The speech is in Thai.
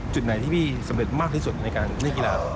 จุดไหนที่พี่สำเร็จมากที่สุดในการเล่นกีฬา